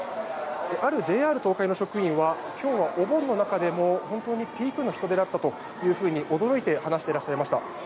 あるＪＲ東海の職員は今日はお盆の中でも本当にピークの人出だったと驚いて話していらっしゃいました。